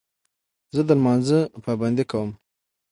زه د لمانځه پابندي کوم.